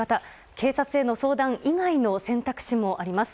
警察への相談以外の選択肢もあります。